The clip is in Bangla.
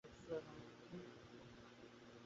কিন্তু ভবানীচরণের ঘুম হইতেছিল না।